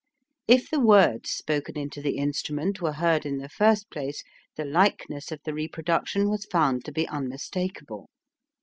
If the words spoken into the instrument were heard in the first place, the likeness of the reproduction was found to be unmistakable.